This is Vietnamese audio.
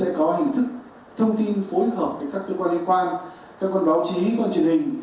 sẽ có hình thức thông tin phối hợp với các cơ quan liên quan các con báo chí con truyền hình